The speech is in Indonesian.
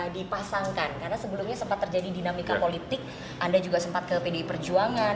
dipasangkan karena sebelumnya sempat terjadi dinamika politik anda juga sempat ke pdi perjuangan